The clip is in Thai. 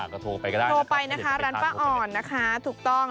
ก็โทรไปก็ได้โทรไปนะคะร้านป้าอ่อนนะคะถูกต้อง